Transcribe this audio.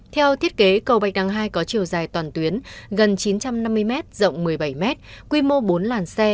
theo thiết kế cầu bạch đăng hai có chiều dài toàn tuyến gần chín trăm năm mươi m rộng một mươi bảy m quy mô bốn làn xe